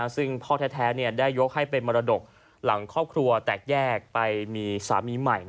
ซึ่งพ่อแท้ได้ยกให้เป็นมรดกหลังครอบครัวแตกแยกไปมีสามีใหม่